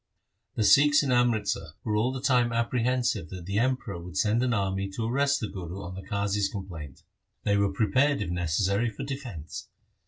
The Sikhs in Amritsar were all the time apprehen sive that the Emperor would send an army to arrest the Guru on the Qazi's complaint. They were pre pared, if necessary, for defence.